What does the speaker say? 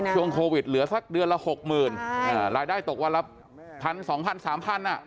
ช่วงโควิดหน่อกล้วยเหลือสักเดือนละหกหมื่นรายได้ตกวันละสองพันสามพัน